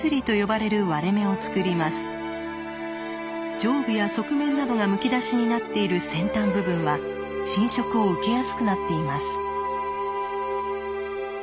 上部や側面などがむき出しになっている先端部分は浸食を受けやすくなっています。